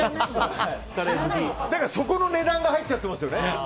そこの値段が入っちゃっていますよね。